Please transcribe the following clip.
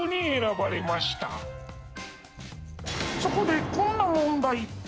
そこでこんな問題。